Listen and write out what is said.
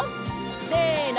せの！